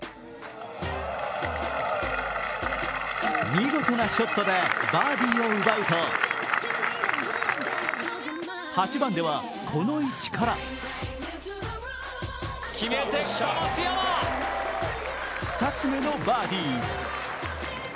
見事なショットでバーディーを奪うと８番ではこの位置から２つ目のバーディー。